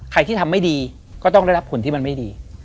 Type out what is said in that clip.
ที่ทำไม่ดีก็ต้องได้รับผลที่มันไม่ดี